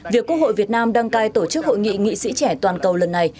việc quốc hội việt nam đăng cai tổ chức hội nghị nghị sĩ trẻ toàn cầu lần này